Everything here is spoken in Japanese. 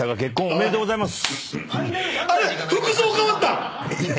おめでとうございます！